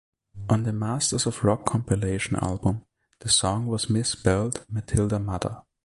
On the "Masters of Rock" compilation album, the song was misspelled "Mathilda Mother".